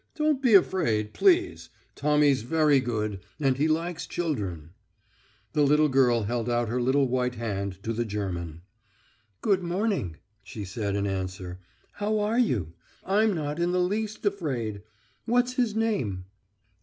Don't be afraid, please. Tommy's very good, and he likes children." The little girl held out her little white hand to the German. "Good morning," she said in answer. "How are you? I'm not in the least afraid. What's his name?"